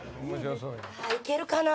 いけるかな？